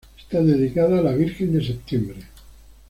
Está dedicada a la Virgen de Septiembre.